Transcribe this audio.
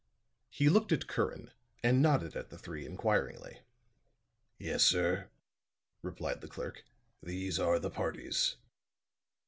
He looked at Curran and nodded at the three inquiringly. "Yes, sir," replied the clerk; "these are the parties."